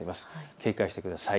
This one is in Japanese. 警戒してください。